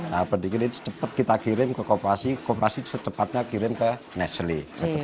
nah pendingin itu cepat kita kirim ke kooperasi kooperasi secepatnya kirim ke nestely